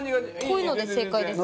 こういうので正解ですか？